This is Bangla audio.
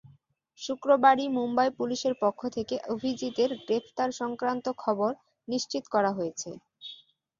শুক্রবারই মুম্বাই পুলিশের পক্ষ থেকে অভিজিতের গ্রেপ্তারসংক্রান্ত খবর নিশ্চিত করা হয়েছে।